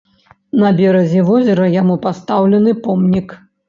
На беразе возера яму пастаўлены помнік.